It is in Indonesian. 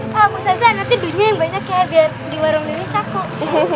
pak ustazah nanti duitnya yang banyak ya biar di warung lelis takut